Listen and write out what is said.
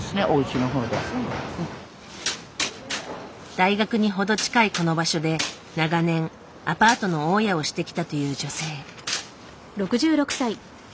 大学に程近いこの場所で長年アパートの大家をしてきたという女性。